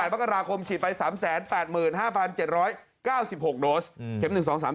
๑๘วักษณาคมฉีดไป๓๘๕๗๙๖โดสเข็ม๑๒๓๔